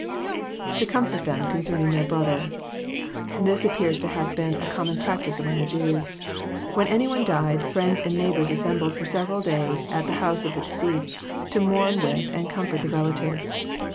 [To comfort them conceminj their brother*'] This appears to have been a common practice among the Jews. When any one died, friends and neighbours assembled for several days at the house of the deceased, to mourn with and comfort the relatives.